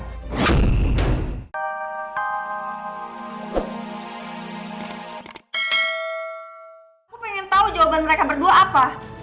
gue pengen tau jawaban mereka berdua apa